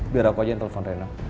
biar aku aja yang telfon reno